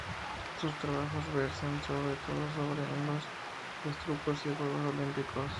Sus trabajos versan sobre todo sobre en los etruscos y los Juegos Olímpicos.